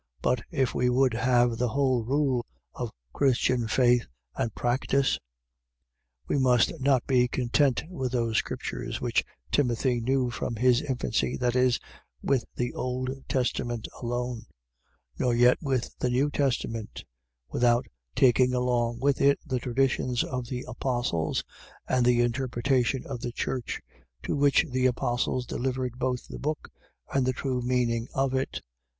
But, if we would have the whole rule of Christian faith and practice, we must not be content with those Scriptures, which Timothy knew from his infancy, that is, with the Old Testament alone: nor yet with the New Testament, without taking along with it the traditions of the apostles, and the interpretation of the church, to which the apostles delivered both the book, and the true meaning of it.